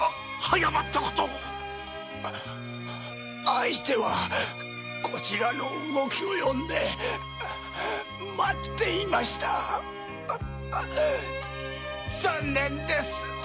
相手はこちらの動きを読んで待っていました残念です。